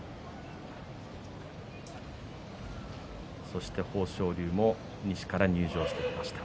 そして豊昇龍も西から入場してきました。